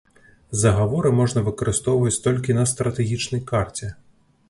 Загаворы можна выкарыстоўваць толькі на стратэгічнай карце.